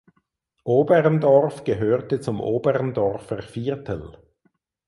Oberndorf gehörte zum Oberndorfer Viertel.